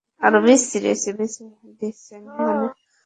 বেচে দিছেন মানে?